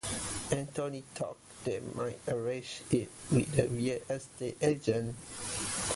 Anthony thought they might arrange it with the real-estate agent.